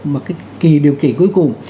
mà cái kỳ điều chỉ cuối cùng